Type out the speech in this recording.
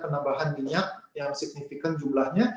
karena ada penambahan minyak yang signifikan jumlahnya